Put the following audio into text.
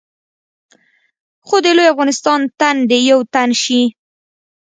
خو د لوی افغانستان تن دې یو تن شي.